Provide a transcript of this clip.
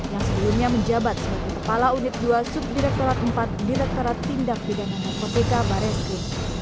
yang sebelumnya menjabat sebagai kepala unit dua subdirekturat empat direkturat tindak bidangan keputihabarekri